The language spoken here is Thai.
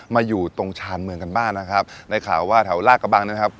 มาอยู่ตรงชานเมืองกันบ้างนะครับได้ข่าวว่าแถวลากบังเนี่ยนะครับ